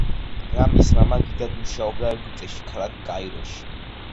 რამის მამა გიდად მუშაობდა ეგვიპტეში, ქალაქ კაიროში.